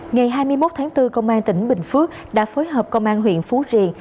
ngày hai mươi một tháng bốn công an tỉnh bình phước đã phối hợp công an huyện phú riềng